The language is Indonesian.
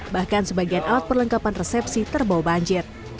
bahkan sebagian alat perlengkapan resepsi terbawa banjir